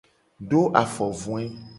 Do afovoe.